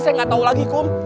saya nggak tahu lagi kum